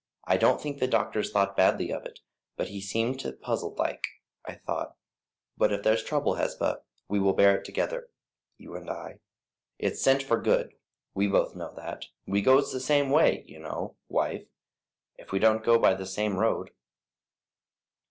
"I don't think the doctor thought badly of it, but he seemed puzzled like, I thought; but if there's trouble, Hesba, we will bear it together, you and I; it's sent for good, we both know that. We goes the same way, you know, wife, if we don't go by the same road."